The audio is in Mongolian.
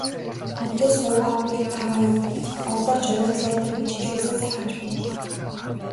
Хүнтэй суугаагүй л байгаа юу, одоо ч оройтлоо доо гэж хэлүүлсээр залхаж байна даа.